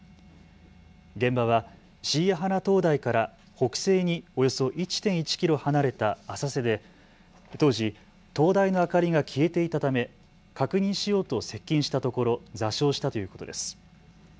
現場は椎谷鼻灯台から北西におよそ１．１キロ離れた浅瀬で当時、灯台の明かりが消えていたため確認しようと接近したところ、座礁したということです。